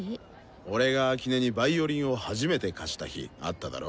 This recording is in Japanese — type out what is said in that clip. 俺が秋音にヴァイオリンを初めて貸した日あっただろ？